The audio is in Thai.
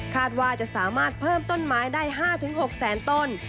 ว่าจะสามารถเพิ่มต้นไม้ได้๕๖แสนต้น